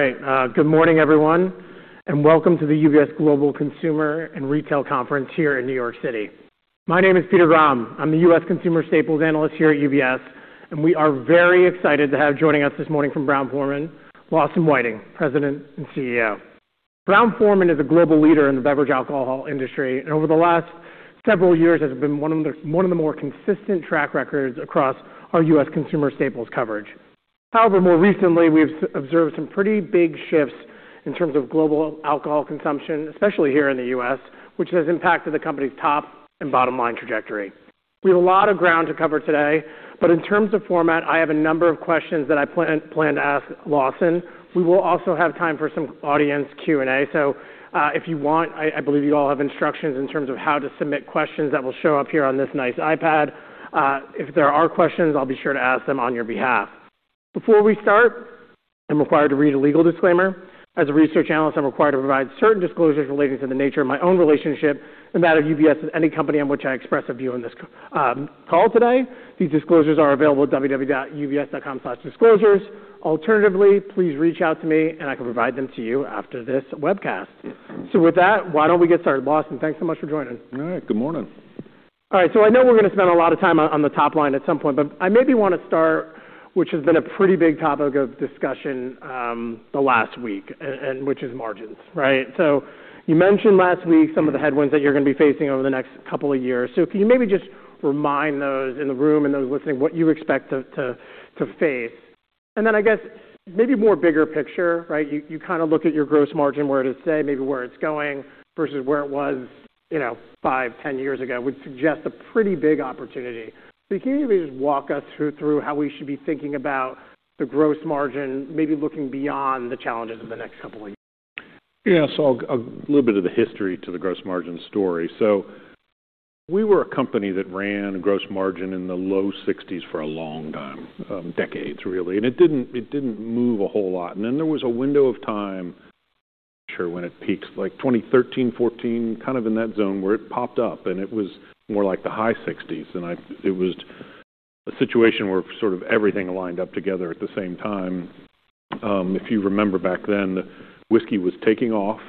All right. Good morning, everyone, and welcome to the UBS Global Consumer and Retail Conference here in New York City. My name is Peter Grom. I'm the U.S. consumer staples analyst here at UBS, and we are very excited to have joining us this morning from Brown-Forman, Lawson Whiting, President and CEO. Brown-Forman is a global leader in the beverage alcohol industry, and over the last several years has been one of the more consistent track records across our U.S. consumer staples coverage. However, more recently, we've observed some pretty big shifts in terms of global alcohol consumption, especially here in the U.S., which has impacted the company's top and bottom-line trajectory. We have a lot of ground to cover today, but in terms of format, I have a number of questions that I plan to ask Lawson. We will also have time for some audience Q&A. If you want, I believe you all have instructions in terms of how to submit questions that will show up here on this nice iPad. If there are questions, I'll be sure to ask them on your behalf. Before we start, I'm required to read a legal disclaimer. As a research analyst, I'm required to provide certain disclosures relating to the nature of my own relationship and that of UBS with any company in which I express a view in this call today. These disclosures are available at www.ubs.com/disclosures. Alternatively, please reach out to me, and I can provide them to you after this webcast. With that, why don't we get started? Lawson, thanks so much for joining. All right. Good morning. All right. I know we're gonna spend a lot of time on the top line at some point, but I maybe wanna start, which has been a pretty big topic of discussion, the last week, and which is margins, right? You mentioned last week some of the headwinds that you're gonna be facing over the next couple of years. Can you maybe just remind those in the room and those listening what you expect to face? I guess maybe more bigger picture, right? You kinda look at your gross margin, where it is today, maybe where it's going versus where it was, you know, five, 10 years ago, would suggest a pretty big opportunity. Can you maybe just walk us through how we should be thinking about the gross margin, maybe looking beyond the challenges of the next couple of years? A little bit of the history to the gross margin story. We were a company that ran gross margin in the low 60% for a long time, decades, really. It didn't move a whole lot. There was a window of time, not sure when it peaked, like 2013, 2014, kind of in that zone, where it popped up, and it was more like the high 60%. It was a situation where sort of everything lined up together at the same time. If you remember back then, whiskey was taking off,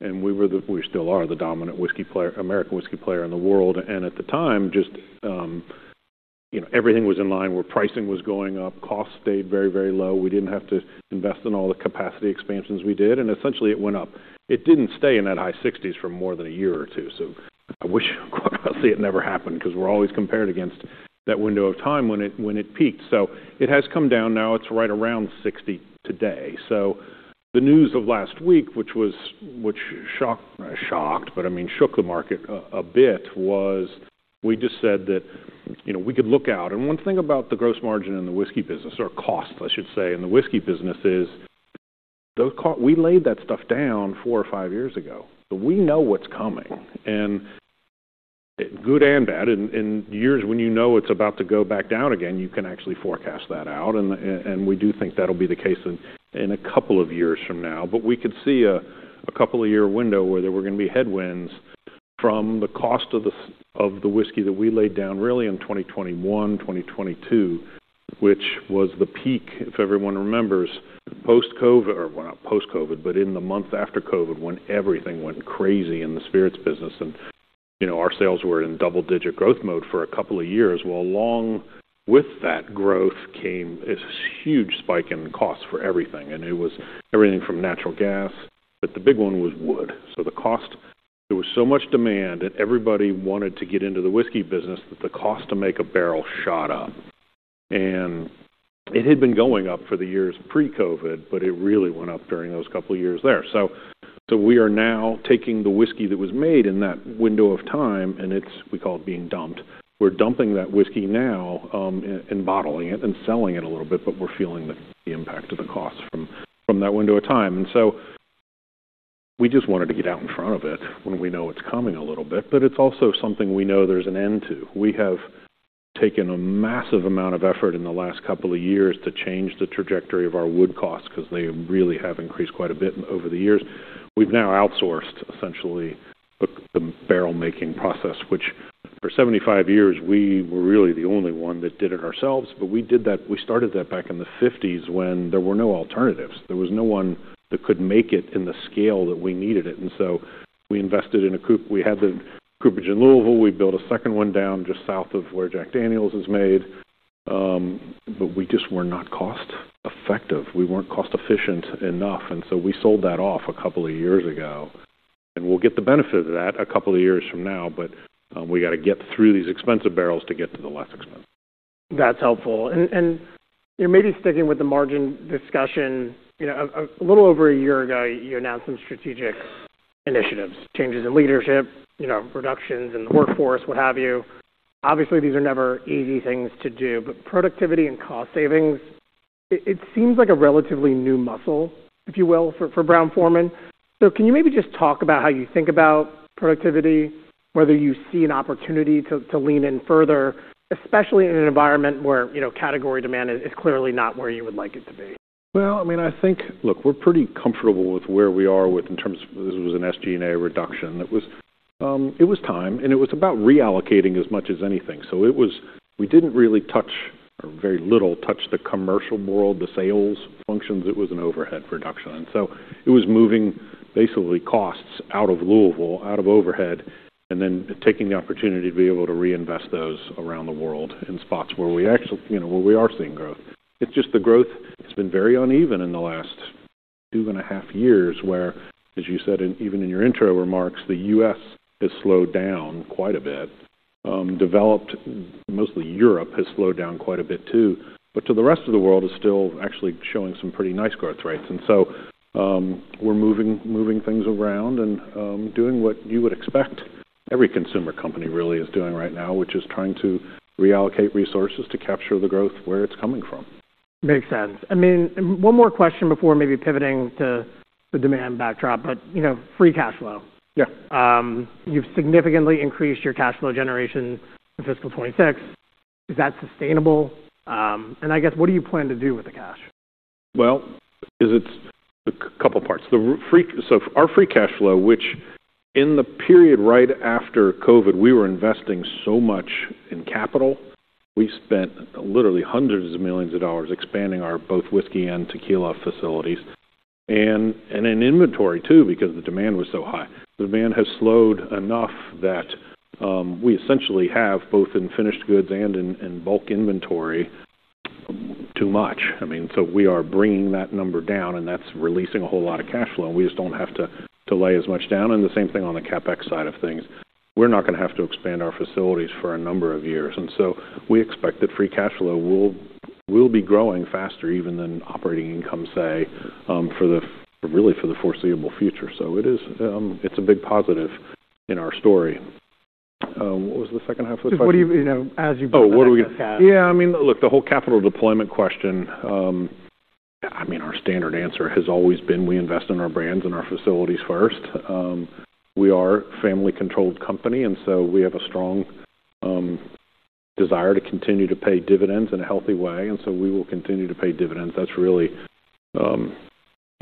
and we were the dominant whiskey player, American whiskey player in the world. We still are. At the time, just, you know, everything was in line, where pricing was going up, costs stayed very, very low. We didn't have to invest in all the capacity expansions we did, and essentially it went up. It didn't stay in that high 60% for more than a year or two. I wish quite honestly, it never happened, 'cause we're always compared against that window of time when it peaked. It has come down. Now it's right around 60% today. The news of last week, which shocked, but I mean, shook the market a bit, was, we just said that, you know, we could look out. One thing about the gross margin in the whiskey business, or cost, I should say, in the whiskey business is those costs we laid that stuff down four or five years ago. We know what's coming, and good and bad. In years when you know it's about to go back down again, you can actually forecast that out, and we do think that'll be the case in a couple of years from now. We could see a couple of year window where there were gonna be headwinds from the cost of the whiskey that we laid down really in 2021, 2022, which was the peak, if everyone remembers, post COVID, or well, not post COVID, but in the month after COVID, when everything went crazy in the spirits business. You know, our sales were in double-digit growth mode for a couple of years. Well, along with that growth came this huge spike in costs for everything, and it was everything from natural gas, but the big one was wood. There was so much demand, and everybody wanted to get into the whiskey business that the cost to make a barrel shot up. It had been going up for the years pre-COVID, but it really went up during those couple of years there. We are now taking the whiskey that was made in that window of time, and we call it being dumped. We're dumping that whiskey now, and bottling it and selling it a little bit, but we're feeling the impact of the costs from that window of time. We just wanted to get out in front of it when we know it's coming a little bit, but it's also something we know there's an end to. We have taken a massive amount of effort in the last couple of years to change the trajectory of our wood costs 'cause they really have increased quite a bit over the years. We've now outsourced essentially the barrel making process, which for 75 years, we were really the only one that did it ourselves. We started that back in the 1950s when there were no alternatives. There was no one that could make it at the scale that we needed it. We invested in a cooperage. We had the cooperage in Louisville. We built a second one down just south of where Jack Daniel's is made. We just were not cost effective. We weren't cost efficient enough, so we sold that off a couple of years ago. We'll get the benefit of that a couple of years from now, but we gotta get through these expensive barrels to get to the less expensive. That's helpful. You know, maybe sticking with the margin discussion, you know, a little over a year ago, you announced some strategic initiatives, changes in leadership, you know, reductions in the workforce, what have you. Obviously, these are never easy things to do, but productivity and cost savings, it seems like a relatively new muscle, if you will, for Brown-Forman. Can you maybe just talk about how you think about productivity, whether you see an opportunity to lean in further, especially in an environment where, you know, category demand is clearly not where you would like it to be? Well, I mean, I think. Look, we're pretty comfortable with where we are within terms of this was an SG&A reduction, it was time, and it was about reallocating as much as anything. We didn't really touch or very little touch the commercial world, the sales functions. It was an overhead reduction. It was moving basically costs out of Louisville, out of overhead, and then taking the opportunity to be able to reinvest those around the world in spots where you know, where we are seeing growth. It's just the growth has been very uneven in the last 2.5 years, where, as you said, even in your intro remarks, the U.S. has slowed down quite a bit. Mostly Europe has slowed down quite a bit too, but the rest of the world is still actually showing some pretty nice growth rates. We're moving things around and doing what you would expect every consumer company really is doing right now, which is trying to reallocate resources to capture the growth where it's coming from. Makes sense. I mean, one more question before maybe pivoting to the demand backdrop, but you know, free cash flow. Yeah. You've significantly increased your cash flow generation in fiscal 2026. Is that sustainable? I guess, what do you plan to do with the cash? Well, because it's a couple parts. Our free cash flow, which in the period right after COVID, we were investing so much in capital. We spent literally $hundreds of millions expanding both our whiskey and tequila facilities, and in inventory too, because the demand was so high. The demand has slowed enough that we essentially have both in finished goods and in bulk inventory, too much. I mean, we are bringing that number down, and that's releasing a whole lot of cash flow, and we just don't have to lay as much down. The same thing on the CapEx side of things. We're not gonna have to expand our facilities for a number of years. We expect that free cash flow will be growing faster even than operating income, say, really for the foreseeable future. It is a big positive in our story. What was the second half of the question? Just what do you know as you build that cash. Yeah, I mean, look, the whole capital deployment question. Our standard answer has always been, we invest in our brands and our facilities first. We are a family-controlled company, and so we have a strong desire to continue to pay dividends in a healthy way, and so we will continue to pay dividends. That's really, you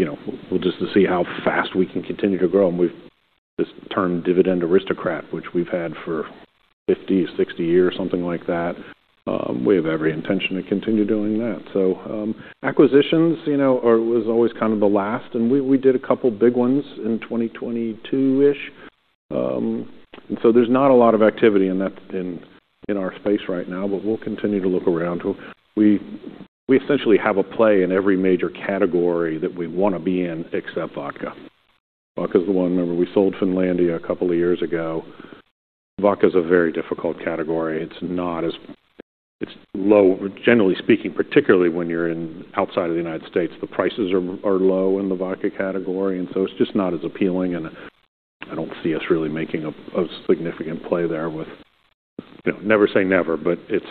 know, we'll just have to see how fast we can continue to grow. We have this term Dividend Aristocrat, which we've had for 50, 60 years, something like that. We have every intention to continue doing that. Acquisitions, you know, are always kind of the last, and we did a couple big ones in 2022-ish. There's not a lot of activity in that in our space right now, but we'll continue to look around. We essentially have a play in every major category that we wanna be in, except vodka. Vodka is the one, remember, we sold Finlandia a couple of years ago. Vodka is a very difficult category. It's low, generally speaking, particularly when you're outside of the United States. The prices are low in the vodka category, and so it's just not as appealing, and I don't see us really making a significant play there. You know, never say never, but it's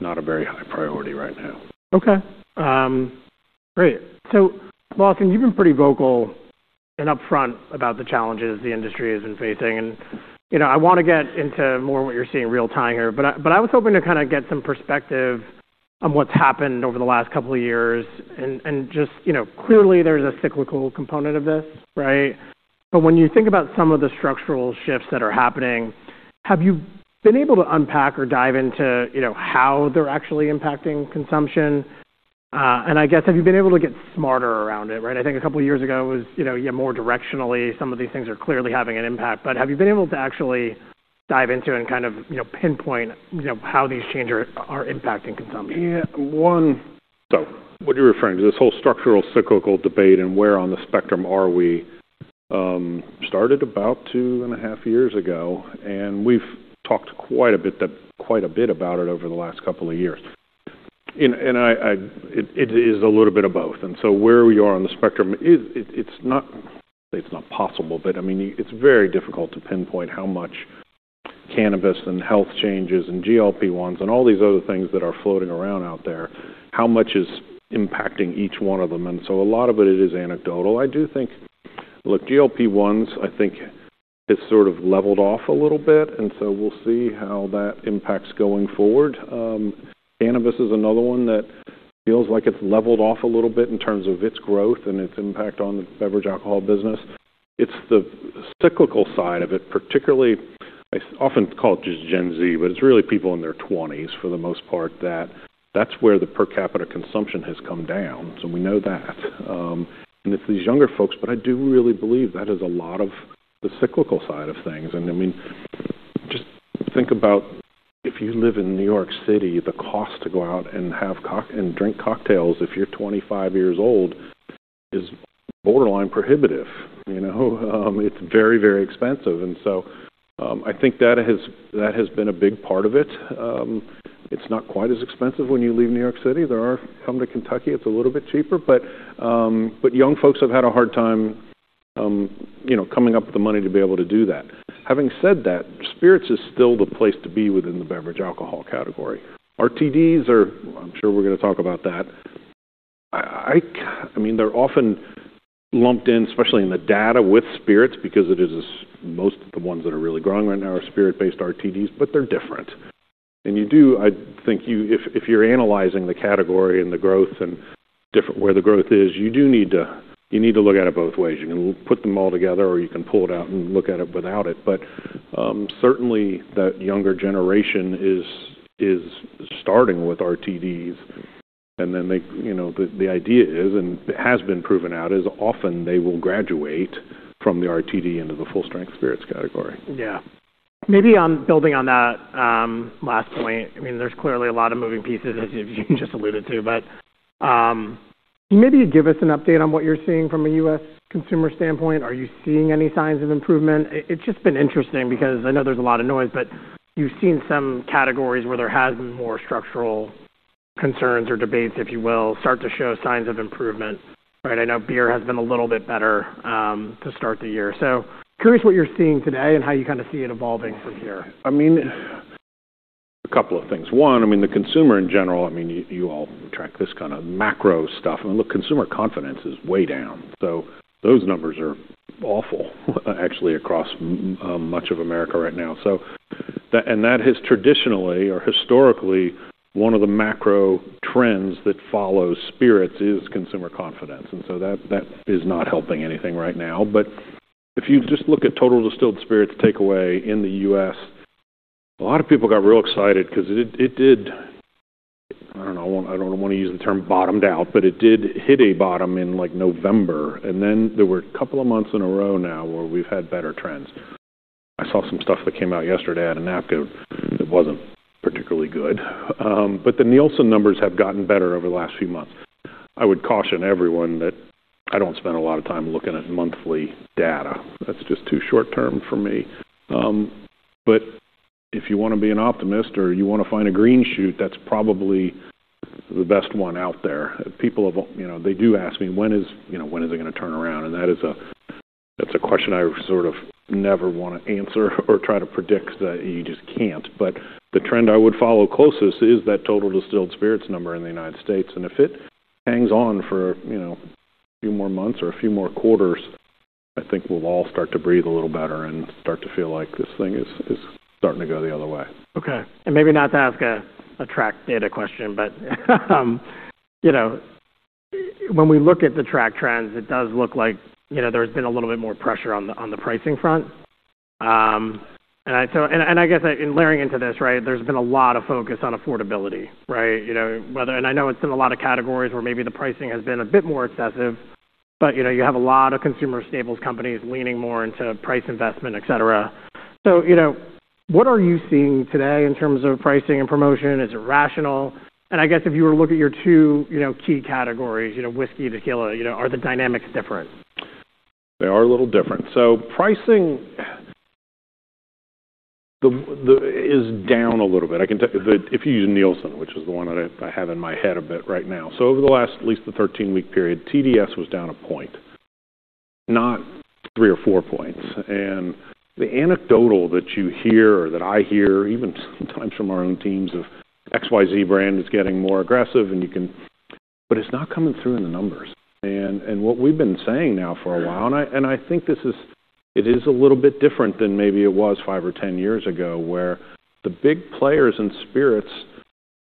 not a very high priority right now. Okay. Great. Lawson, you've been pretty vocal and upfront about the challenges the industry has been facing, and, you know, I wanna get into more what you're seeing real-time here. I was hoping to kinda get some perspective on what's happened over the last couple of years and just, you know, clearly there's a cyclical component of this, right? When you think about some of the structural shifts that are happening, have you been able to unpack or dive into, you know, how they're actually impacting consumption? I guess, have you been able to get smarter around it, right? I think a couple of years ago, it was, you know, yeah, more directionally, some of these things are clearly having an impact. Have you been able to actually dive into and kind of, you know, pinpoint, you know, how these changes are impacting consumption? Yeah. What you're referring to, this whole structural, cyclical debate and where on the spectrum are we, started about 2.5 years ago, and we've talked quite a bit about it over the last couple of years. It is a little bit of both. Where we are on the spectrum, it's not possible, but I mean, it's very difficult to pinpoint how much cannabis and health changes and GLP-1s and all these other things that are floating around out there, how much is impacting each one of them. A lot of it is anecdotal. I do think. Look, GLP-1s, I think, has sort of leveled off a little bit, and we'll see how that impacts going forward. Cannabis is another one that feels like it's leveled off a little bit in terms of its growth and its impact on the beverage alcohol business. It's the cyclical side of it, particularly. I often call it just Gen Z, but it's really people in their twenties for the most part, that's where the per capita consumption has come down, so we know that. It's these younger folks, but I do really believe that is a lot of the cyclical side of things. I mean, just think about if you live in New York City, the cost to go out and have and drink cocktails, if you're 25 years old, is borderline prohibitive. You know? It's very, very expensive. I think that has been a big part of it. It's not quite as expensive when you leave New York City. Come to Kentucky, it's a little bit cheaper. Young folks have had a hard time, you know, coming up with the money to be able to do that. Having said that, spirits is still the place to be within the beverage alcohol category. RTDs are, I'm sure we're gonna talk about that. I mean, they're often lumped in, especially in the data, with spirits because it is most of the ones that are really growing right now are spirit-based RTDs, but they're different. You do, I think, if you're analyzing the category and the growth and different where the growth is, you need to look at it both ways. You can put them all together, or you can pull it out and look at it without it. Certainly that younger generation is starting with RTDs, and then they, you know, the idea is, and has been proven out, is often they will graduate from the RTD into the full-strength spirits category. Yeah. Maybe on building on that last point, I mean, there's clearly a lot of moving pieces as you just alluded to, but can maybe you give us an update on what you're seeing from a US consumer standpoint? Are you seeing any signs of improvement? It's just been interesting because I know there's a lot of noise, but you've seen some categories where there has been more structural concerns or debates, if you will, start to show signs of improvement, right? I know beer has been a little bit better to start the year. Curious what you're seeing today and how you kinda see it evolving from here. I mean, a couple of things. One, I mean, the consumer, in general, I mean, you all track this kinda macro stuff. Look, consumer confidence is way down. Those numbers are awful, actually, across much of America right now. That has traditionally or historically, one of the macro trends that follows spirits is consumer confidence. That is not helping anything right now. If you just look at total distilled spirits takeaway in the U.S., a lot of people got real excited 'cause it did, I don't know, I don't wanna use the term bottomed out, but it did hit a bottom in, like, November. Then there were a couple of months in a row now where we've had better trends. I saw some stuff that came out yesterday out of NABCA that wasn't particularly good. The Nielsen numbers have gotten better over the last few months. I would caution everyone that I don't spend a lot of time looking at monthly data. That's just too short-term for me. If you wanna be an optimist or you wanna find a green shoot, that's probably the best one out there. People have, you know, they do ask me, when is, you know, when is it gonna turn around? That is a question I sort of never wanna answer or try to predict. You just can't. The trend I would follow closest is that total distilled spirits number in the United States. If it hangs on for, you know, a few more months or a few more quarters, I think we'll all start to breathe a little better and start to feel like this thing is starting to go the other way. Maybe not to ask a track data question, but you know, when we look at the track trends, it does look like you know, there's been a little bit more pressure on the pricing front. I guess in layering into this, right? There's been a lot of focus on affordability, right? I know it's in a lot of categories where maybe the pricing has been a bit more excessive, but you know, you have a lot of consumer staples companies leaning more into price investment, et cetera. What are you seeing today in terms of pricing and promotion? Is it rational? I guess if you were to look at your two key categories, you know, whiskey, tequila, you know, are the dynamics different? They are a little different. Pricing is down a little bit. I can tell if you use Nielsen, which is the one that I have in my head a little bit right now. Over the last, at least the 13-week period, TDS was down one point, not three or four points. The anecdotal that you hear or that I hear even sometimes from our own teams of XYZ brand is getting more aggressive. But it's not coming through in the numbers. What we've been saying now for a while, and I think it is a little bit different than maybe it was five or 10 years ago, where the big players in spirits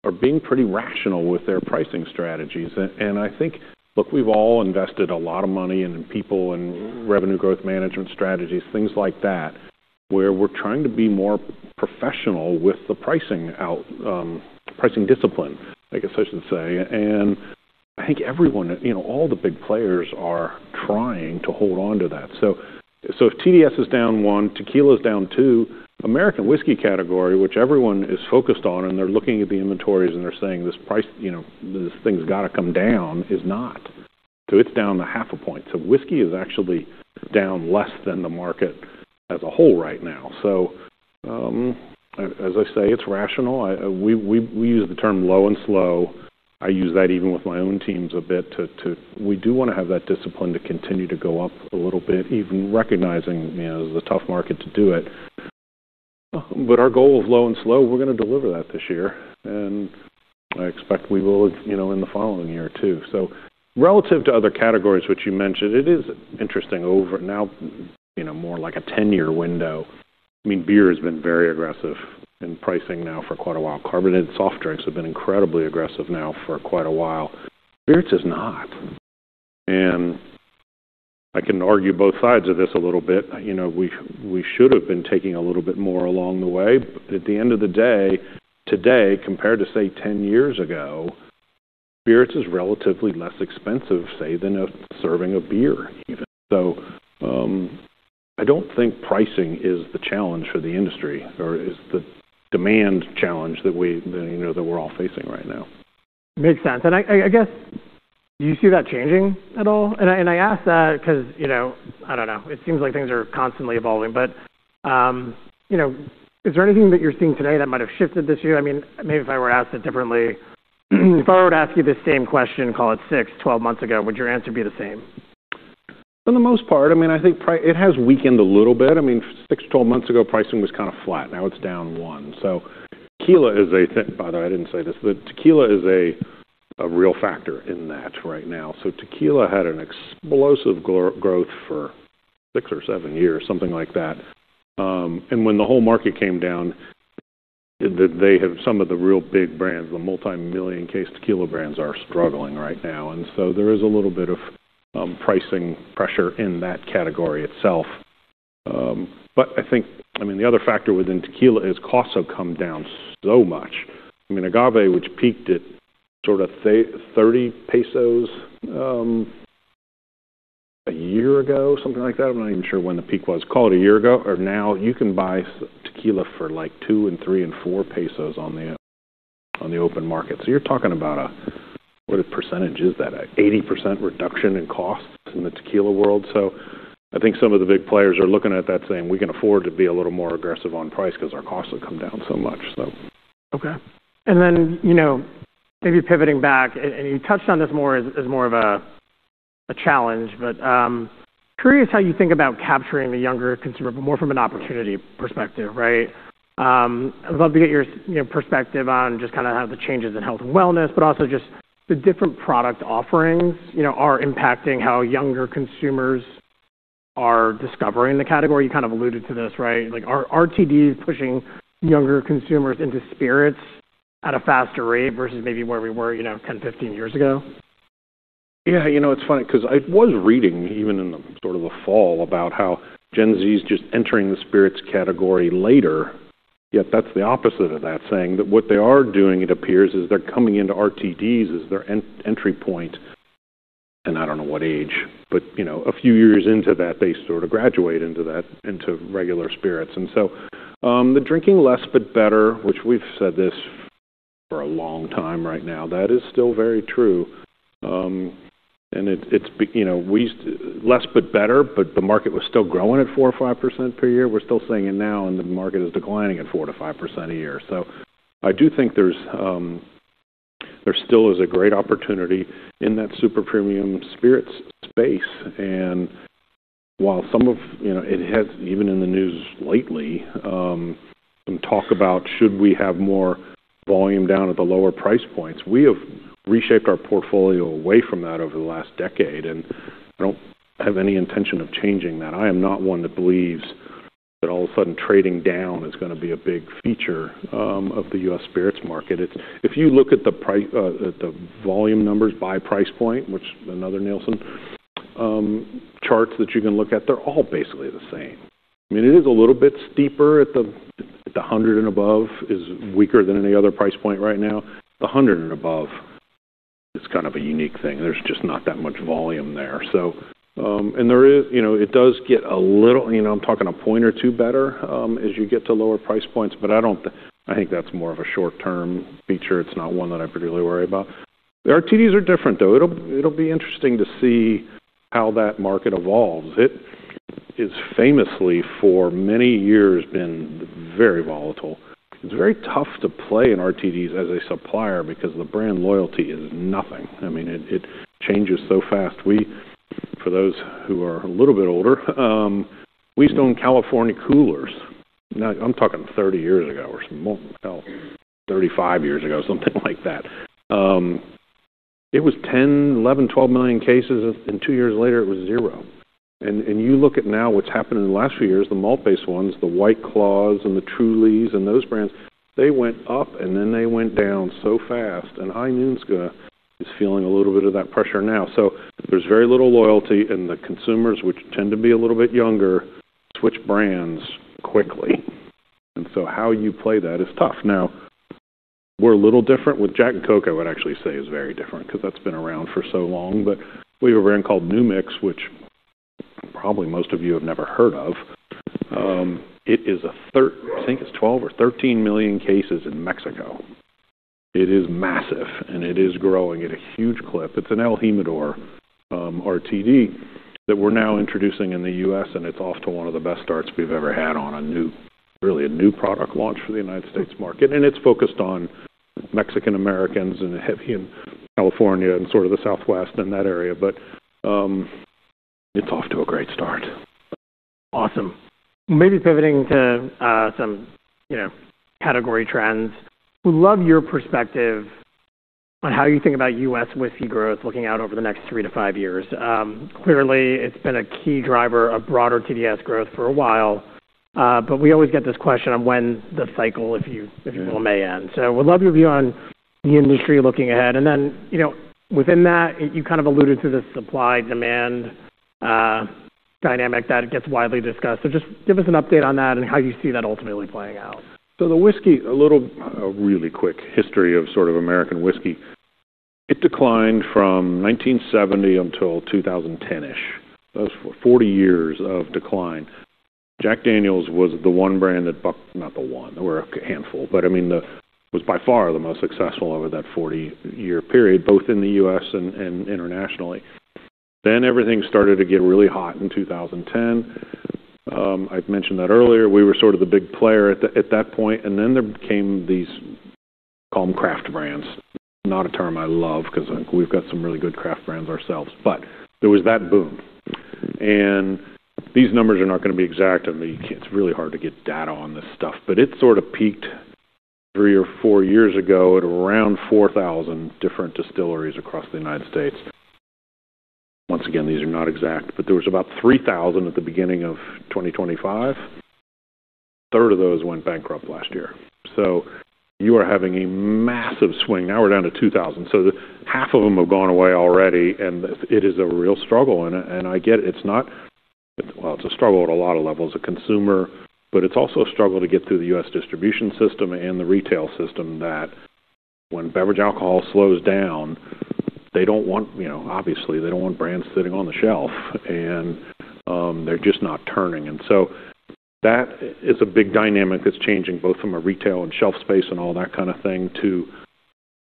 are being pretty rational with their pricing strategies. I think, look, we've all invested a lot of money and people and revenue growth management strategies, things like that, where we're trying to be more professional with the pricing, our pricing discipline, I guess I should say. I think everyone, you know, all the big players are trying to hold on to that. If TDS is down 1%, tequila's down 2%, American whiskey category, which everyone is focused on, and they're looking at the inventories, and they're saying this price, you know, this thing's gotta come down, is not. It's down, too. Half a point. Whiskey is actually down less than the market as a whole right now. As I say, it's rational. We use the term low and slow. I use that even with my own teams a bit. We do wanna have that discipline to continue to go up a little bit, even recognizing, you know, the tough market to do it. Our goal of low and slow, we're gonna deliver that this year, and I expect we will, you know, in the following year, too. Relative to other categories which you mentioned, it is interesting over now, you know, more like a 10-year window. I mean, beer has been very aggressive in pricing now for quite a while. Carbonated soft drinks have been incredibly aggressive now for quite a while. Spirits is not. I can argue both sides of this a little bit. You know, we should have been taking a little bit more along the way. At the end of the day, today, compared to, say, 10 years ago, spirits is relatively less expensive, say, than a serving of beer even. I don't think pricing is the challenge for the industry or is the demand challenge that we're all facing right now. Makes sense. I guess, do you see that changing at all? I ask that 'cause, you know, I don't know, it seems like things are constantly evolving. You know, is there anything that you're seeing today that might have shifted this year? I mean, maybe if I were to ask it differently, if I were to ask you the same question, call it six, 12 months ago, would your answer be the same? For the most part, I mean, I think it has weakened a little bit. I mean, six-12 months ago, pricing was kind of flat. Now it's down 1%. Tequila is a real factor in that right now. So tequila had an explosive growth for six or seven years, something like that. When the whole market came down, they have some of the real big brands. The multimillion case tequila brands are struggling right now, and so there is a little bit of pricing pressure in that category itself. But I think, I mean, the other factor within tequila is costs have come down so much. I mean, agave, which peaked at sort of 30 pesos a year ago, something like that. I'm not even sure when the peak was. Call it a year ago. Now you can buy agave for, like, 2, 3 and 4 pesos on the open market. You're talking about what percentage is that. 80% reduction in costs in the tequila world. I think some of the big players are looking at that saying, "We can afford to be a little more aggressive on price 'cause our costs have come down so much. Okay. You know, maybe pivoting back, and you touched on this more as more of a challenge, but curious how you think about capturing the younger consumer, but more from an opportunity perspective, right? I'd love to get your, you know, perspective on just kinda how the changes in health and wellness, but also just the different product offerings, you know, are impacting how younger consumers are discovering the category. You kind of alluded to this, right? Like, are RTDs pushing younger consumers into spirits at a faster rate versus maybe where we were, you know, 10, 15 years ago? Yeah. You know, it's funny 'cause I was reading even in the sort of the fall about how Gen Z's just entering the spirits category later, yet that's the opposite of that saying. That what they are doing, it appears, is they're coming into RTDs as their entry point. I don't know what age, but, you know, a few years into that, they sort of graduate into that, into regular spirits. The drinking less but better, which we've said this for a long time right now, that is still very true. Less but better, but the market was still growing at 4% or 5% per year. We're still saying it now, and the market is declining at 4%-5% a year. I do think there still is a great opportunity in that super premium spirits space. While some of it has even been in the news lately, you know, some talk about should we have more volume down at the lower price points. We have reshaped our portfolio away from that over the last decade, and I don't have any intention of changing that. I am not one that believes that all of a sudden trading down is gonna be a big feature of the U.S. spirits market. It's if you look at the price and the volume numbers by price point, which are another Nielsen chart that you can look at, they're all basically the same. I mean, it is a little bit steeper at the $100 and above is weaker than any other price point right now. The 100 and above is kind of a unique thing. There's just not that much volume there. You know, it does get a little, you know, I'm talking a point or two better, as you get to lower price points, but I don't think that's more of a short term feature. It's not one that I particularly worry about. The RTDs are different, though. It'll be interesting to see how that market evolves. It is famously, for many years, been very volatile. It's very tough to play in RTDs as a supplier because the brand loyalty is nothing. I mean, it changes so fast. For those who are a little bit older, we used to own California Cooler. Now I'm talking 30 years ago or some more. Hell, 35 years ago, something like that. It was 10, 11, 12 million cases, and two years later it was zero. You look at now what's happened in the last few years, the malt-based ones, the White Claw and the Truly and those brands. They went up and then they went down so fast. High Noon is feeling a little bit of that pressure now. There's very little loyalty, and the consumers, which tend to be a little bit younger, switch brands quickly. How you play that is tough. Now, we're a little different. With Jack and Coke, I would actually say is very different 'cause that's been around for so long. We have a brand called New Mix, which probably most of you have never heard of. It is. I think it's 12 or 13 million cases in Mexico. It is massive, and it is growing at a huge clip. It's an El Jimador RTD that we're now introducing in the U.S., and it's off to one of the best starts we've ever had on a new product launch for the United States market. It's focused on Mexican Americans and heavy in California and sort of the Southwest and that area. It's off to a great start. Awesome. Maybe pivoting to some, you know, category trends. Would love your perspective on how you think about U.S. whiskey growth looking out over the next three to five years. Clearly it's been a key driver of broader TDS growth for a while, but we always get this question of when the cycle, if you will, may end. Would love your view on the industry looking ahead. You know, within that, you kind of alluded to the supply and demand dynamic that it gets widely discussed. Just give us an update on that and how you see that ultimately playing out. The whiskey. A little, a really quick history of sort of American whiskey. It declined from 1970 until 2010-ish. That was 40 years of decline. Jack Daniel's was the one brand that bucked. Not the one. There were a handful, but I mean, it was by far the most successful over that 40-year period, both in the U.S. and internationally. Everything started to get really hot in 2010. I've mentioned that earlier. We were sort of the big player at that point, and then there became these, call them craft brands. Not a term I love 'cause, like, we've got some really good craft brands ourselves. There was that boom. These numbers are not gonna be exact. I mean, it's really hard to get data on this stuff, but it sort of peaked three or four years ago at around 4,000 different distilleries across the United States. Once again, these are not exact, but there was about 3,000 at the beginning of 2025. A third of those went bankrupt last year. You are having a massive swing. Now we're down to 2,000. Half of them have gone away already, and it is a real struggle. I get it. It's not. Well, it's a struggle at a lot of levels, a consumer, but it's also a struggle to get through the U.S. distribution system and the retail system that when beverage alcohol slows down, they don't want, you know, obviously, they don't want brands sitting on the shelf, and they're just not turning. That is a big dynamic that's changing both from a retail and shelf space and all that kind of thing to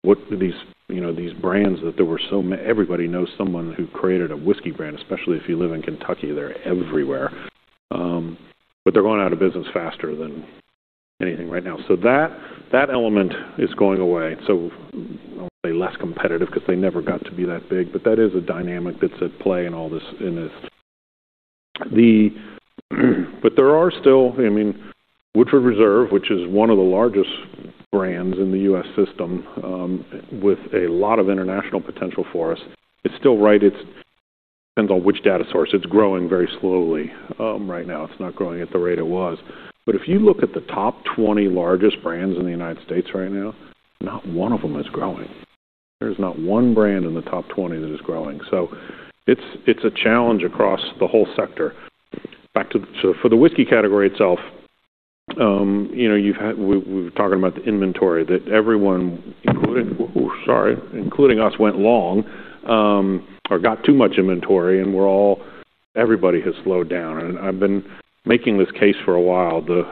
what these, you know, these brands that there were so many. Everybody knows someone who created a whiskey brand, especially if you live in Kentucky, they're everywhere. They're going out of business faster than anything right now. That element is going away. I won't say less competitive because they never got to be that big, but that is a dynamic that's at play in all this, in this. There are still, I mean, Woodford Reserve, which is one of the largest brands in the U.S. system, with a lot of international potential for us. It's still right. It depends on which data source. It's growing very slowly, right now. It's not growing at the rate it was. If you look at the top 20 largest brands in the United States right now, not one of them is growing. There's not one brand in the top 20 that is growing. It's a challenge across the whole sector. Back to the whiskey category itself, you know, we were talking about the inventory that everyone, including us, went long or got too much inventory, and we're all, everybody has slowed down. I've been making this case for a while. The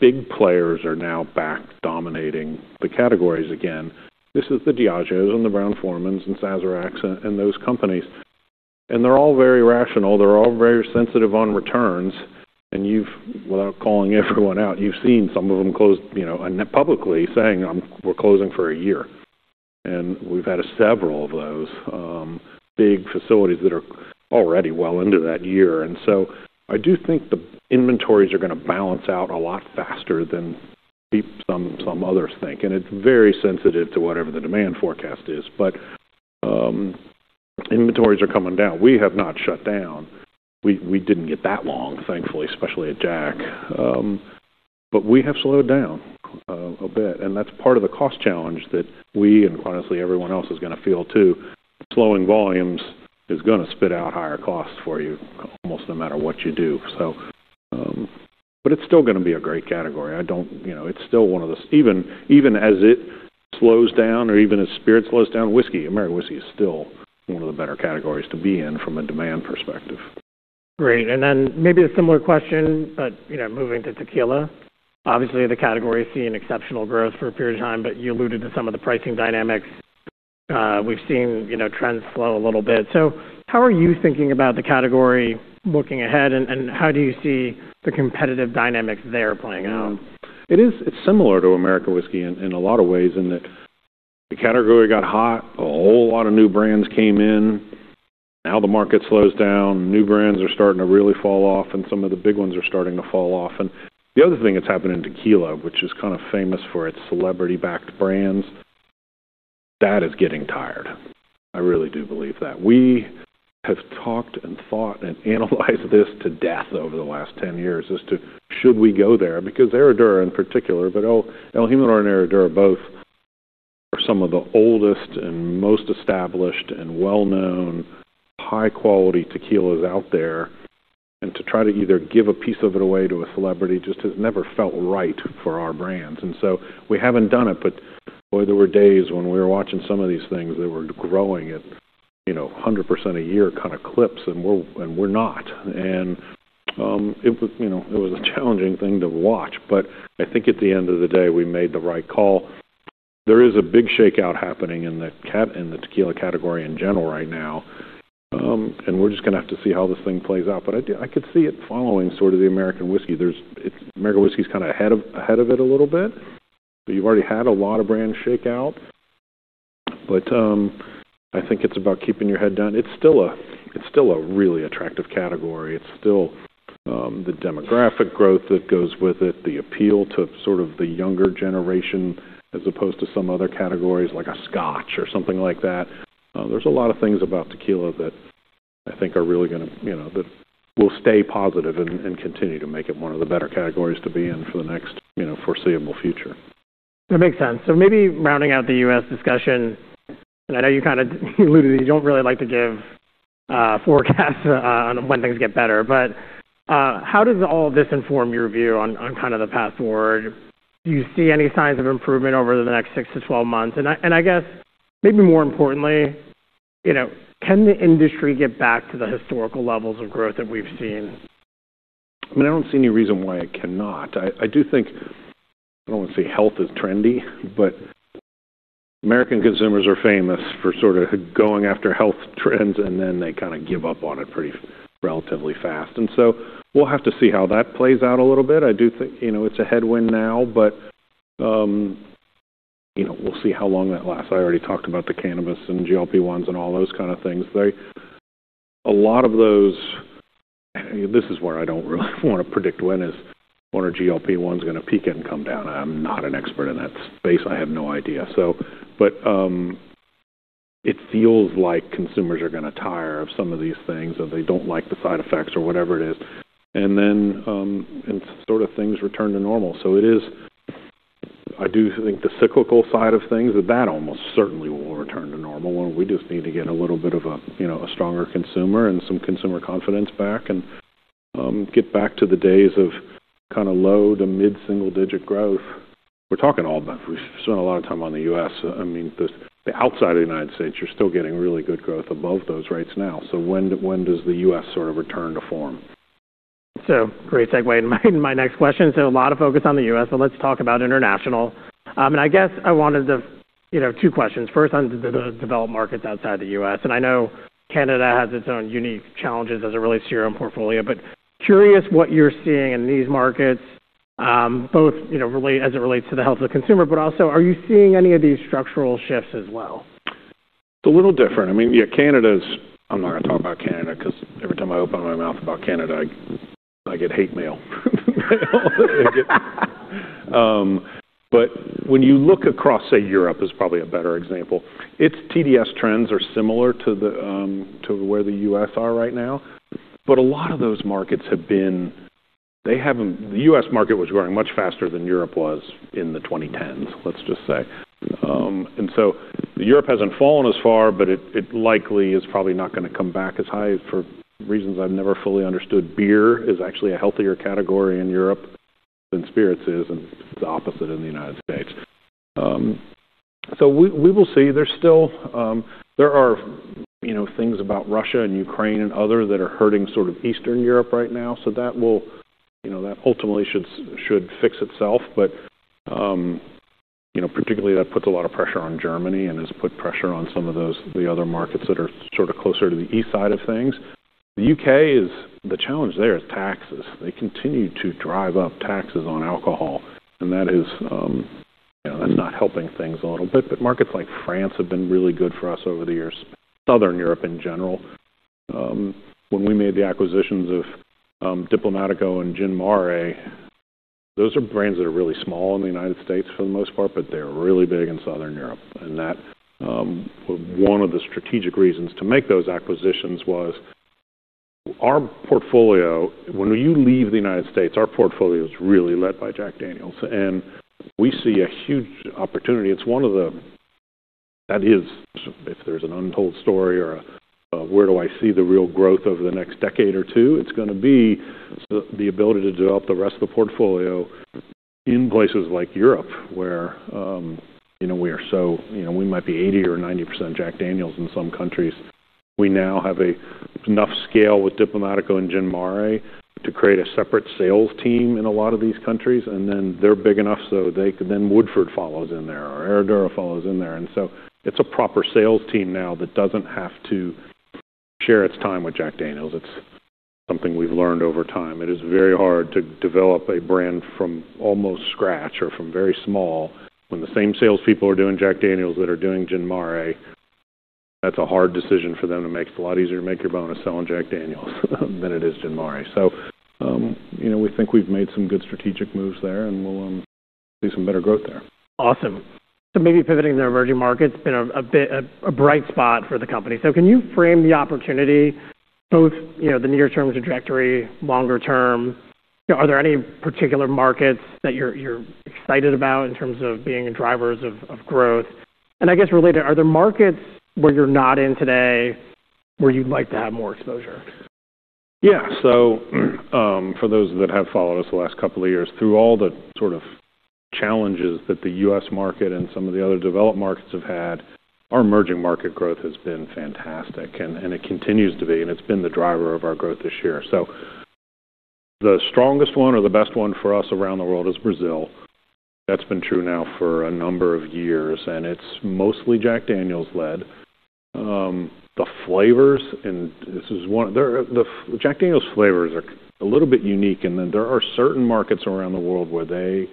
big players are now back dominating the categories again. This is the Diageo and the Brown-Forman and Sazerac and those companies. They're all very rational. They're all very sensitive on returns. You've, without calling everyone out, you've seen some of them close, you know, and publicly saying, "We're closing for a year." We've had several of those, big facilities that are already well into that year. I do think the inventories are gonna balance out a lot faster than some others think. It's very sensitive to whatever the demand forecast is. Inventories are coming down. We have not shut down. We didn't get that long, thankfully, especially at Jack. We have slowed down a bit, and that's part of the cost challenge that we and honestly, everyone else is gonna feel too. Slowing volumes is gonna spit out higher costs for you almost no matter what you do. It's still gonna be a great category. I don't, you know, it's still one of those. Even as it slows down or even as spirits slow down, whiskey, American whiskey is still one of the better categories to be in from a demand perspective. Great. Then maybe a similar question, but, you know, moving to tequila. Obviously, the category has seen exceptional growth for a period of time, but you alluded to some of the pricing dynamics. We've seen, you know, trends slow a little bit. How are you thinking about the category looking ahead, and how do you see the competitive dynamics there playing out? It is, it's similar to American whiskey in a lot of ways in that the category got hot. A whole lot of new brands came in. Now the market slows down, new brands are starting to really fall off, and some of the big ones are starting to fall off. The other thing that's happened in tequila, which is kind of famous for its celebrity-backed brands, that is getting tired. I really do believe that. We have talked and thought and analyzed this to death over the last 10 years as to should we go there? Because Herradura in particular, but El Jimador and Herradura both are some of the oldest and most established and well-known, high-quality tequilas out there. To try to either give a piece of it away to a celebrity just has never felt right for our brands. We haven't done it. Boy, there were days when we were watching some of these things that were growing at, you know, 100% a year kinda clips, and we're not. It was, you know, it was a challenging thing to watch. I think at the end of the day, we made the right call. There is a big shakeout happening in the tequila category in general right now. We're just gonna have to see how this thing plays out. I do, I could see it following sort of the American whiskey. It's American whiskey's kinda ahead of it a little bit, but you've already had a lot of brands shake out. I think it's about keeping your head down. It's still a really attractive category. It's still the demographic growth that goes with it, the appeal to sort of the younger generation, as opposed to some other categories like a scotch or something like that. There's a lot of things about tequila that I think are really gonna, you know, that will stay positive and continue to make it one of the better categories to be in for the next, you know, foreseeable future. That makes sense. Maybe rounding out the U.S. discussion, and I know you kinda alluded, you don't really like to give forecasts on when things get better. How does all this inform your view on kind of the path forward? Do you see any signs of improvement over the next six-12 months? I guess maybe more importantly, you know, can the industry get back to the historical levels of growth that we've seen? I mean, I don't see any reason why it cannot. I do think, I don't wanna say health is trendy, but American consumers are famous for sorta going after health trends, and then they kinda give up on it pretty relatively fast. We'll have to see how that plays out a little bit. I do think, you know, it's a headwind now, but, you know, we'll see how long that lasts. I already talked about the cannabis and GLP-1s and all those kinda things. A lot of those, this is where I don't really want to predict when one or GLP-1s is going to peak and come down. I'm not an expert in that space. I have no idea. It feels like consumers are going to tire of some of these things or they don't like the side effects or whatever it is. Then sort of things return to normal. It is, I do think the cyclical side of things, that almost certainly will return to normal. We just need to get a little bit of a, you know, a stronger consumer and some consumer confidence back and get back to the days of kind of low to mid-single digit growth. We're talking all about, we've spent a lot of time on the U.S. I mean, outside of the United States, you're still getting really good growth above those rates now. When does the U.S. sort of return to form? Great segue in my next question. A lot of focus on the U.S. Let's talk about international. I guess I wanted to, you know, two questions. First on the developed markets outside the U.S. I know Canada has its own unique challenges as it relates to your own portfolio. Curious what you're seeing in these markets, both, you know, as it relates to the health of the consumer, but also are you seeing any of these structural shifts as well? It's a little different. I mean, yeah, Canada's. I'm not going to talk about Canada because every time I open my mouth about Canada, I get hate mail. When you look across, say, Europe is probably a better example, its TDS trends are similar to where the U.S. are right now. A lot of those markets, the U.S. market was growing much faster than Europe was in the 2010s, let's just say. Europe hasn't fallen as far, but it likely is probably not going to come back as high for reasons I've never fully understood. Beer is actually a healthier category in Europe than spirits is, and it's the opposite in the United States. We will see. There are, you know, things about Russia and Ukraine and other that are hurting sort of Eastern Europe right now. That will, you know, that ultimately should fix itself. You know, particularly that puts a lot of pressure on Germany and has put pressure on some of those, the other markets that are sort of closer to the east side of things. The U.K. is, the challenge there is taxes. They continue to drive up taxes on alcohol. That is, you know, that's not helping things a little bit. Markets like France have been really good for us over the years, Southern Europe in general. When we made the acquisitions of Diplomático and Gin Mare, those are brands that are really small in the United States for the most part, but they're really big in Southern Europe. That, one of the strategic reasons to make those acquisitions was our portfolio, when you leave the United States, our portfolio is really led by Jack Daniel's. We see a huge opportunity. It's one of the, that is, if there's an untold story or where do I see the real growth over the next decade or two, it's going to be the ability to develop the rest of the portfolio in places like Europe, where, you know, we are so, you know, we might be 80% or 90% Jack Daniel's in some countries. We now have enough scale with Diplomático and Gin Mare to create a separate sales team in a lot of these countries. They're big enough so they could then Woodford follows in there or Herradura follows in there. It's a proper sales team now that doesn't have to share its time with Jack Daniel's. It's something we've learned over time. It is very hard to develop a brand from almost scratch or from very small. When the same salespeople are doing Jack Daniel's that are doing Gin Mare, that's a hard decision for them to make. It's a lot easier to make your bonus selling Jack Daniel's than it is Gin Mare. You know, we think we've made some good strategic moves there and we'll see some better growth there. Awesome. Maybe pivoting to emerging markets, been a bit, a bright spot for the company. Can you frame the opportunity, both, you know, the near-term trajectory, longer term? Are there any particular markets that you're excited about in terms of being drivers of growth? I guess related, are there markets where you're not in today where you'd like to have more exposure? Yeah. For those that have followed us the last couple of years, through all the sort of challenges that the U.S. market and some of the other developed markets have had, our emerging market growth has been fantastic. It continues to be, and it's been the driver of our growth this year. The strongest one or the best one for us around the world is Brazil. That's been true now for a number of years, and it's mostly Jack Daniel's led. The flavors, and this is one, the Jack Daniel's flavors are a little bit unique in that there are certain markets around the world where they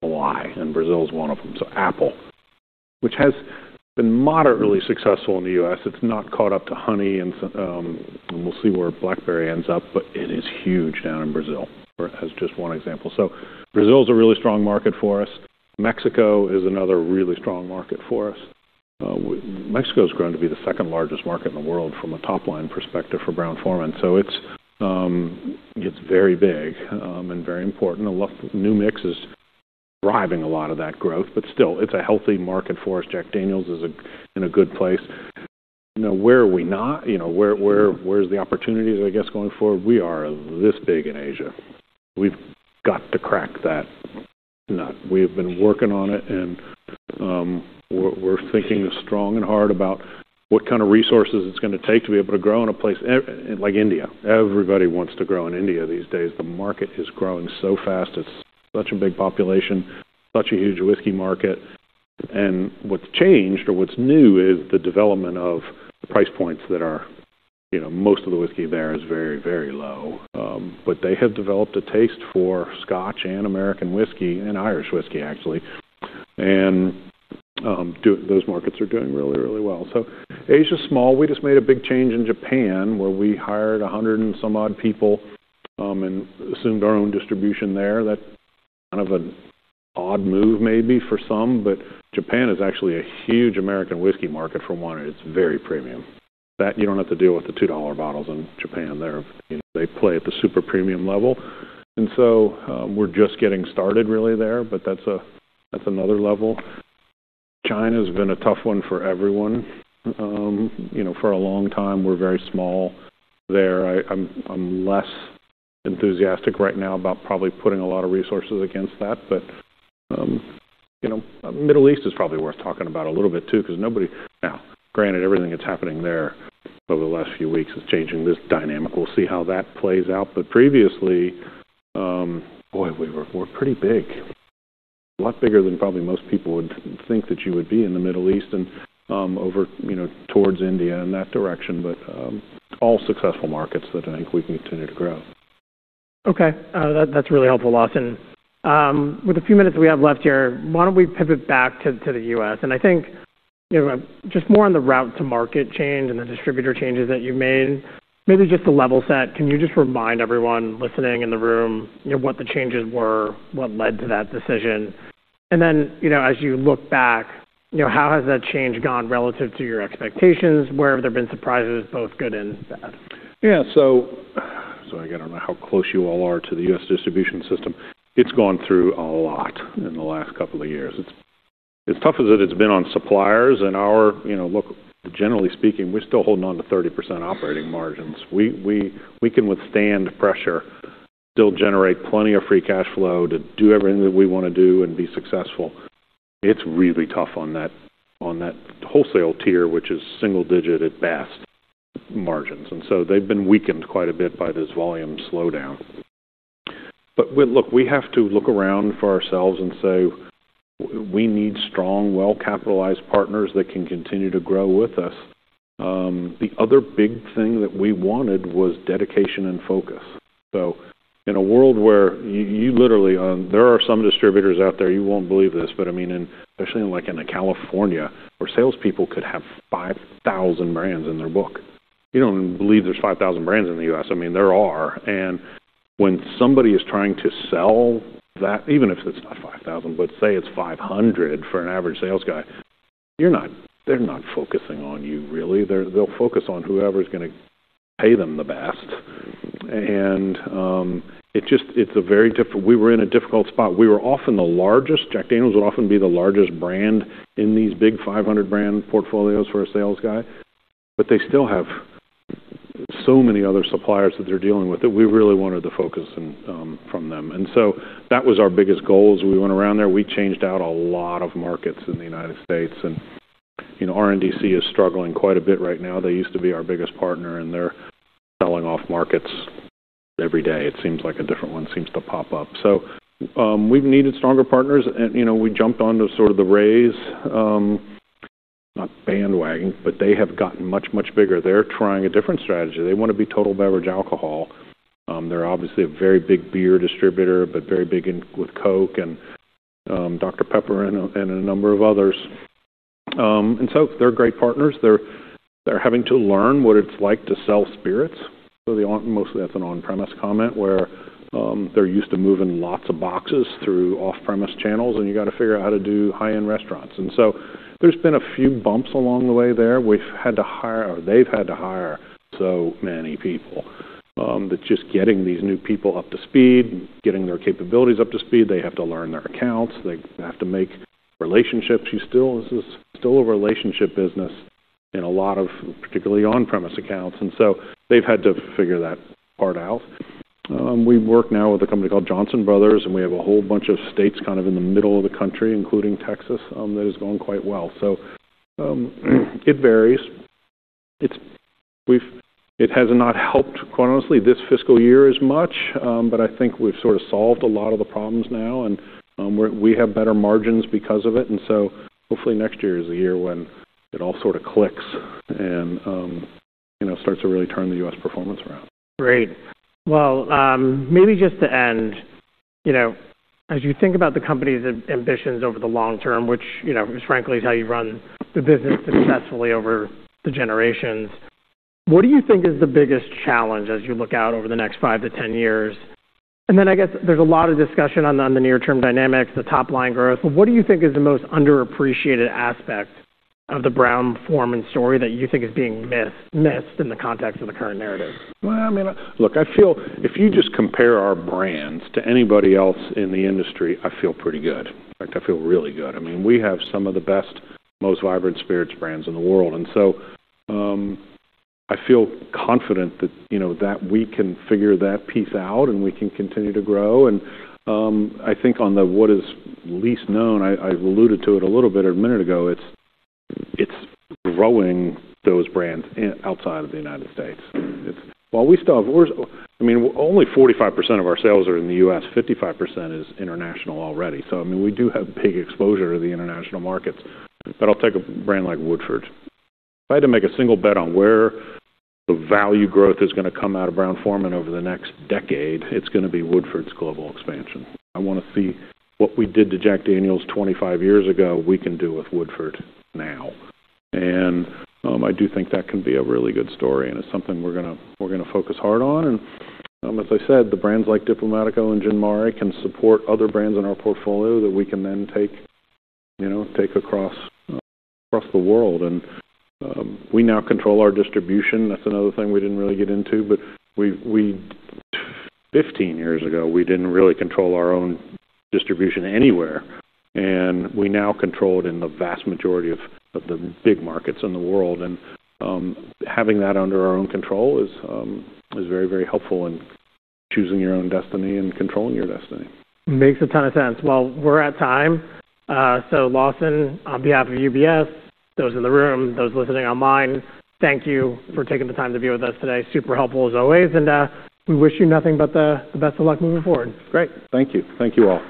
fly, and Brazil is one of them. Apple, which has been moderately successful in the U.S. It's not caught up to Honey, and we'll see where Blackberry ends up, but it is huge down in Brazil as just one example. Brazil is a really strong market for us. Mexico is another really strong market for us. Mexico is growing to be the second largest market in the world from a top-line perspective for Brown-Forman. It's very big and very important. New Mix is driving a lot of that growth, but still, it's a healthy market for us. Jack Daniel's is in a good place. Now, where are we not? You know, where's the opportunities, I guess, going forward? We are this big in Asia. We've got to crack that nut. We have been working on it, and we're thinking strong and hard about what kind of resources it's going to take to be able to grow in a place like India. Everybody wants to grow in India these days. The market is growing so fast. It's such a big population, such a huge whiskey market. What's changed or what's new is the development of the price points that are, you know, most of the whiskey there is very, very low. They have developed a taste for Scotch and American whiskey and Irish whiskey, actually. Those markets are doing really, really well. Asia's small. We just made a big change in Japan, where we hired 100 and some odd people and assumed our own distribution there. That kind of an odd move maybe for some, but Japan is actually a huge American whiskey market. For one, it's very premium. That you don't have to deal with the $2 bottles in Japan. They're, you know, they play at the super premium level. We're just getting started really there, but that's another level. China's been a tough one for everyone, you know, for a long time. We're very small there. I'm less enthusiastic right now about probably putting a lot of resources against that. Middle East is probably worth talking about a little bit too, because nobody. Now, granted, everything that's happening there over the last few weeks is changing this dynamic. We'll see how that plays out. Previously, we were pretty big. A lot bigger than probably most people would think you would be in the Middle East and, over, you know, towards India and that direction. All successful markets that I think we can continue to grow. Okay. That's really helpful, Lawson. With the few minutes we have left here, why don't we pivot back to the U.S.? I think, you know, just more on the route to market change and the distributor changes that you've made. Maybe just to level set, can you just remind everyone listening in the room, you know, what the changes were, what led to that decision? You know, as you look back, you know, how has that change gone relative to your expectations? Where have there been surprises, both good and bad? Yeah. Again, I don't know how close you all are to the U.S. distribution system. It's gone through a lot in the last couple of years. It's tough as it has been on suppliers and our, you know, look, generally speaking, we're still holding on to 30% operating margins. We can withstand pressure, still generate plenty of free cash flow to do everything that we wanna do and be successful. It's really tough on that wholesale tier, which is single-digit at best margins. They've been weakened quite a bit by this volume slowdown. But look, we have to look around for ourselves and say, we need strong, well-capitalized partners that can continue to grow with us. The other big thing that we wanted was dedication and focus. In a world where you literally there are some distributors out there, you won't believe this, but I mean, especially in California, where salespeople could have 5,000 brands in their book. You don't believe there's 5,000 brands in the U.S. I mean, there are. When somebody is trying to sell that, even if it's not 5,000, but say it's 500 for an average sales guy, they're not focusing on you really. They'll focus on whoever's gonna pay them the best. We were in a difficult spot. We were often the largest. Jack Daniel's would often be the largest brand in these big 500 brand portfolios for a sales guy. They still have so many other suppliers that they're dealing with that we really wanted the focus from them. That was our biggest goal. As we went around there, we changed out a lot of markets in the United States. You know, RNDC is struggling quite a bit right now. They used to be our biggest partner, and they're selling off markets every day. It seems like a different one seems to pop up. We've needed stronger partners. You know, we jumped onto sort of the Reyes, not bandwagon, but they have gotten much bigger. They're trying a different strategy. They wanna be total beverage alcohol. They're obviously a very big beer distributor, but very big in with Coca-Cola and Dr Pepper and a number of others. They're great partners. They're having to learn what it's like to sell spirits. Mostly that's an on-premise comment where they're used to moving lots of boxes through off-premise channels, and you gotta figure out how to do high-end restaurants. There's been a few bumps along the way there. They've had to hire so many people that just getting these new people up to speed, getting their capabilities up to speed, they have to learn their accounts, they have to make relationships. This is still a relationship business in a lot of particularly on-premise accounts. They've had to figure that part out. We work now with a company called Johnson Brothers, and we have a whole bunch of states kind of in the middle of the country, including Texas, that is going quite well. It varies. It has not helped, quite honestly, this fiscal year as much, but I think we've sort of solved a lot of the problems now, and we have better margins because of it, and so hopefully next year is the year when it all sort of clicks and, you know, starts to really turn the US performance around. Great. Well, maybe just to end, you know, as you think about the company's ambitions over the long term, which, you know, frankly, is how you run the business successfully over the generations, what do you think is the biggest challenge as you look out over the next five-10 years? I guess there's a lot of discussion on the near-term dynamics, the top-line growth. What do you think is the most underappreciated aspect of the Brown-Forman story that you think is being missed in the context of the current narrative? Well, I mean, look, I feel if you just compare our brands to anybody else in the industry, I feel pretty good. In fact, I feel really good. I mean, we have some of the best, most vibrant spirits brands in the world. I feel confident that, you know, that we can figure that piece out, and we can continue to grow. I think on the what is least known, I've alluded to it a little bit a minute ago. It's growing those brands outside of the United States. I mean, only 45% of our sales are in the U.S., 55% is international already. I mean, we do have big exposure to the international markets. I'll take a brand like Woodford. If I had to make a single bet on where the value growth is gonna come out of Brown-Forman over the next decade, it's gonna be Woodford's global expansion. I wanna see what we did to Jack Daniel's 25 years ago, we can do with Woodford now. I do think that can be a really good story, and it's something we're gonna focus hard on. As I said, the brands like Diplomático and Gin Mare can support other brands in our portfolio that we can then take, you know, take across the world. We now control our distribution. That's another thing we didn't really get into. Fifteen years ago, we didn't really control our own distribution anywhere, and we now control it in the vast majority of the big markets in the world. Having that under our own control is very, very helpful in choosing your own destiny and controlling your destiny. Makes a ton of sense. Well, we're at time. Lawson, on behalf of UBS, those in the room, those listening online, thank you for taking the time to be with us today. Super helpful as always, and we wish you nothing but the best of luck moving forward. Great. Thank you. Thank you all.